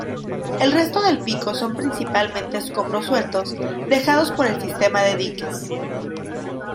El resto del pico son principalmente escombros sueltos dejados por el sistema de diques.